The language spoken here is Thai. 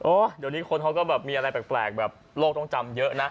เดี๋ยวนี้คนเขาก็แบบมีอะไรแปลกแบบโลกต้องจำเยอะนะ